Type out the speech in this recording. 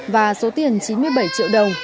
và số tiền chín mươi bảy triệu đồng